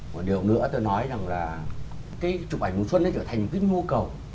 một điều nữa tôi nói rằng là cái chụp ảnh mùa xuân nó trở thành một cái nhu cầu